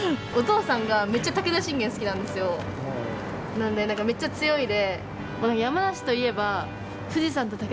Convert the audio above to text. なのでめちゃ強いで。